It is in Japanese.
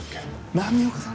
波岡さん。